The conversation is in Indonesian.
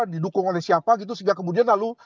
didukung oleh siapa gitu sehingga kemudian lalu